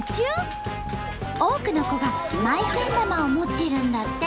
多くの子が「Ｍｙけん玉」を持ってるんだって！